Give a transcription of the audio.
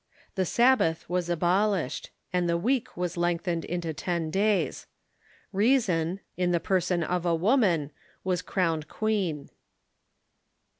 The Sabbath Avas abolished, and the week was lengthened into ten days. Reason, in the person of a woman, was crowned queen.